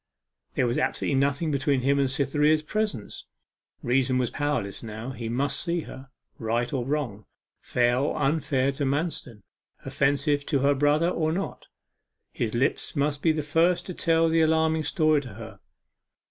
There was absolutely nothing between him and Cytherea's presence. Reason was powerless now; he must see her right or wrong, fair or unfair to Manston offensive to her brother or no. His lips must be the first to tell the alarming story to her.